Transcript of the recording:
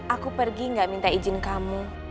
aku pergi gak minta izin kamu